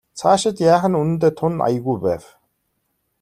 Цаашид яах нь үнэндээ тун аягүй байв.